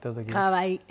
可愛い！